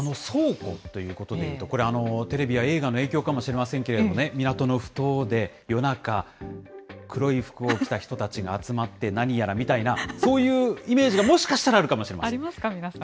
倉庫ということでいうと、これ、テレビや映画の影響かもしれませんけれどもね、港のふ頭で夜中、黒い服を着た人たちが集まって何やらみたいな、そういうイメージがもしかしたらあるかもしれません。